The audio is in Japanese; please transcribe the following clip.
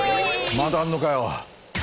まだあんのかよ。